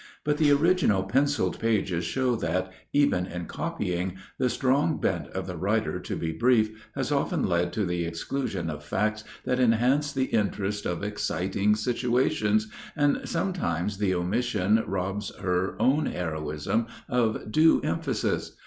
But the original penciled pages show that, even in copying, the strong bent of the writer to be brief has often led to the exclusion of facts that enhance the interest of exciting situations, and sometimes the omission robs her own heroism of due emphasis.